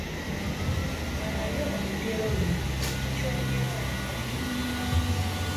Malayo olugero luno: Ndikyogera nfa, ….